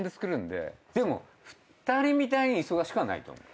でも２人みたいに忙しくはないと思う。